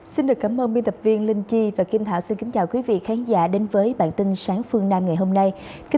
xin được cảm ơn biên tập viên linh chi và kim thảo xin kính chào quý vị khán giả đến với bản tin sáng phương nam ngày hôm nay